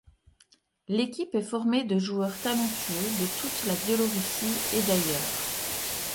L'équipe est formée de joueurs talentueux de toute la Biélorussie et d'ailleurs.